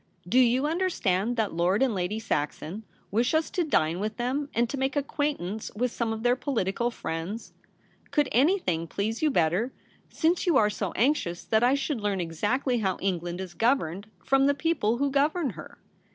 Do you understand that Lord and Lady Saxon wish us to dine with them, and to make acquaintance with some of their political friends ? Could any thing please you better, since you are so anxious that I should learn exactly how England is governed — from the people who govern her